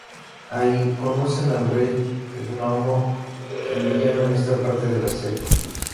Ahí, conocen al Rey Gnomo, el villano en esta parte de la serie.